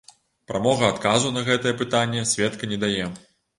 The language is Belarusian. Прамога адказу на гэтае пытанне сведка не дае.